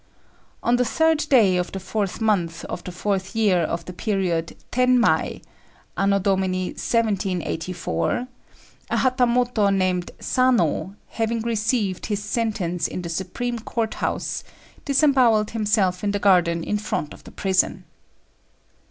On the third day of the fourth month of the fourth year of the period Tenmei (A.D. 1784), a Hatamoto named Sano, having received his sentence in the supreme court house, disembowelled himself in the garden in front of the prison.